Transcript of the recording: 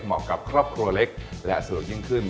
เหมาะกับครอบครัวเล็กและสะดวกยิ่งขึ้น